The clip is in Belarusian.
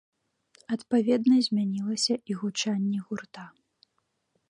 Адпаведна змянілася і гучанне гурта.